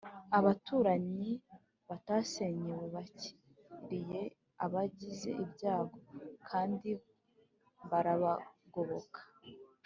abaturanyi batasenyewe bakiriye abagize ibyago, kandibarabagoboka